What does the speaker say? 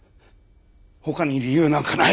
他に理由なんかない！